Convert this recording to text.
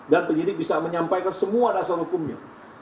dan penyidik bisa menyampaikan semua dasar hukumnya